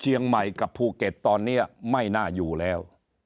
เชียงใหม่กับภูเก็ตตอนนี้ไม่น่าอยู่แล้ว